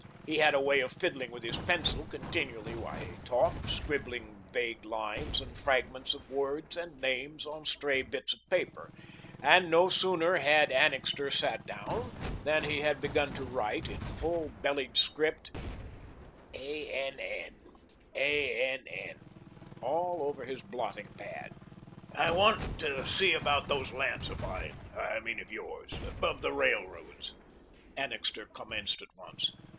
He had a way of fiddling with his pencil continually while he talked, scribbling vague lines and fragments of words and names on stray bits of paper, and no sooner had Annixter sat down than he had begun to write, in full bellied script, ANN ANN all over his blotting pad. "I want to see about those lands of mine I mean of yours of the railroad's," Annixter commenced at once.